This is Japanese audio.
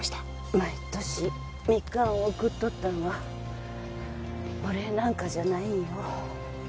毎年みかんを送っとったんはお礼なんかじゃないんよ